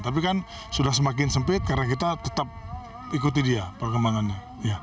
tapi kan sudah semakin sempit karena kita tetap ikuti dia perkembangannya